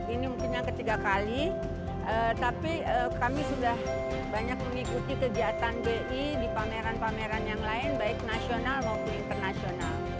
ini mungkin yang ketiga kali tapi kami sudah banyak mengikuti kegiatan bi di pameran pameran yang lain baik nasional maupun internasional